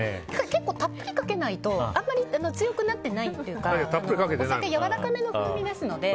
結構たっぷりかけないとあまり強くなってないというかお酒やわらかめの風味ですので。